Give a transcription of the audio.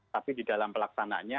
tapi di dalam pelaksanaannya